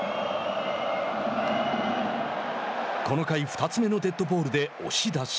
この回、２つ目のデッドボールで押し出し。